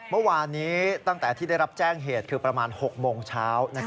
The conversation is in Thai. เมื่อวานนี้ตั้งแต่ที่ได้รับแจ้งเหตุคือประมาณ๖โมงเช้า